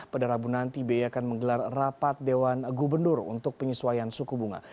pada rabu nanti bi akan menggelar rapat dewan gubernur untuk penyesuaian suku bunga